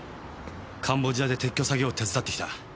カンボジアで撤去作業を手伝ってきた。